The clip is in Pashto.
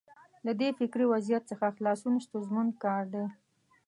له دې فکري وضعیت څخه خلاصون ستونزمن کار دی.